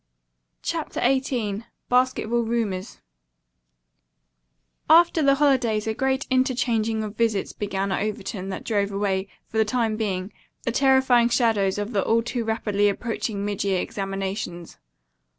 CHAPTER XVIII BASKETBALL RUMORS After the holidays a great interchanging of visits began at Overton that drove away, for the time being, the terrifying shadows of the all too rapidly approaching mid year examinations.